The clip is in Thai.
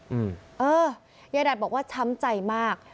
อืมเออยายดัดบอกว่าช้ำใจมาก